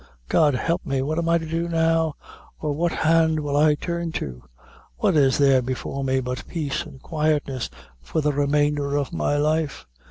God help me, what am I to do now, or what hand will I turn to? What is there before me but peace and quietness for the remainder of my life?